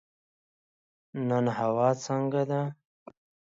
نن هوا څنګه ده؟